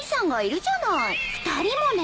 ２人もね。